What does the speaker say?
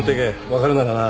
分かるならな。